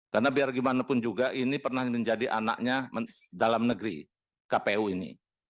karena biar gimana pun juga ini pernah menjadi anaknya dalam negeri kpu ini